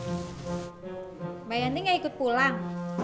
mbak yani gak ikut pulang